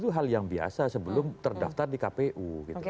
itu hal yang biasa sebelum terdaftar di kpu